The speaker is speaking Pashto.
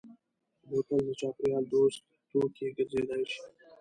بوتل د چاپېریال دوست توکی ګرځېدای شي.